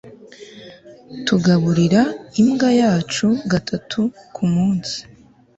tugaburira imbwa yacu gatatu kumunsi